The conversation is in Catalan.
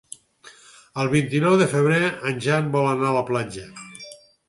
El vint-i-nou de febrer en Jan vol anar a la platja.